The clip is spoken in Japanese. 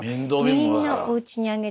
みんなおうちに上げて。